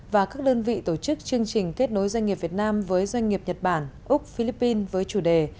và các đơn vị tổ chức chương trình kết nối doanh nghiệp việt nam với doanh nghiệp nhật bản úc philippines với chủ đề